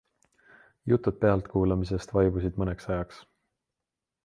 Jutud pealtkuulamisest vaibusid mõneks ajaks.